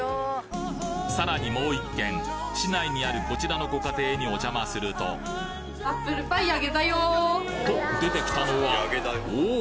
さらにもう一軒市内にあるこちらのご家庭にお邪魔するとと出てきたのはおお！